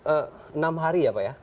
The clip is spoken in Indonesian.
enam hari ya pak ya